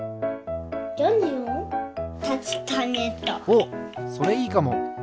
おっそれいいかも！